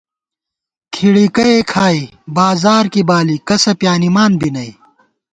کھِڑِکَئے کھائی بازار کی بالی، کسہ پیانِمان بی نئ